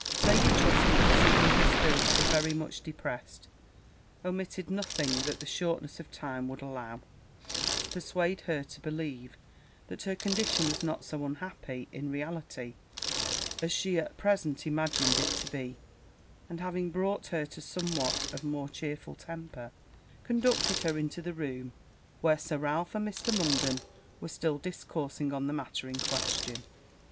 Lady Trusty perceiving her spirits were very much depressed, omitted nothing, that the shortness of time would allow, to persuade her to believe, that her condition was not so unhappy, in reality, as she at present imagined it to be; and having brought her to somewhat of a more chearful temper, conducted her into the room where Sir Ralph and Mr. Munden were still discoursing on the matter in question.